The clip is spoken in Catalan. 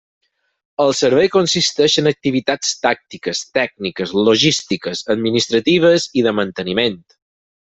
El servei consisteix en activitats tàctiques, tècniques, logístiques, administratives i de manteniment.